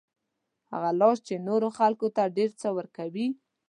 هغه لاس چې نورو خلکو ته ډېر څه ورکوي.